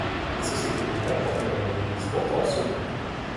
Les sociétés locales portent d’ailleurs depuis longtemps ce nom.